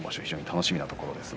楽しみなところです。